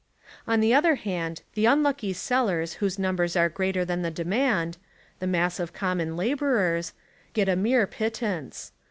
On the other hand the unlucky sellers whose numbers are greater than the demand, — the mass of common labourers, — get a mere pit tance.